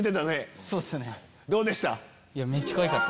どうでした？